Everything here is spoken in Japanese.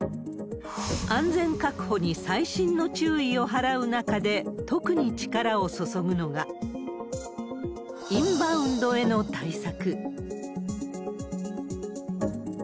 安全確保に最新の注意を払う中で、特に力を注ぐのが、インバウンドへの対策。